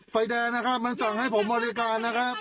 ไฟแดงนะครับมันสั่งให้ผมบริการนะครับ